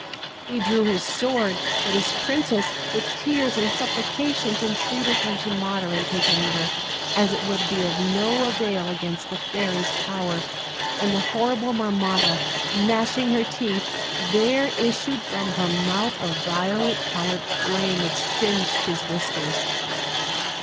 He drew his sword; but his princess, with tears and supplications, entreated him to moderate his anger, as it would be of no avail against the fairy's power, and the horrible Marmotta, gnashing her teeth, there issued from her mouth a violet colored flame, which singed his whiskers.